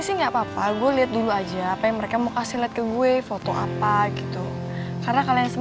ih gak mungkin telat keles